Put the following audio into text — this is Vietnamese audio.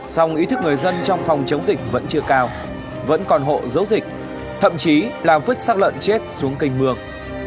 sông ý thức người dân trong phòng chống dịch vẫn chưa cao vẫn còn hộ giấu dịch thậm chí là vứt sắc lợn chết xuống cành mường